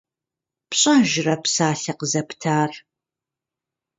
ПщӀэжрэ псалъэ къызэптар?